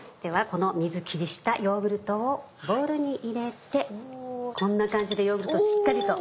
この水切りしたヨーグルトをボウルに入れてこんな感じでヨーグルトしっかりと。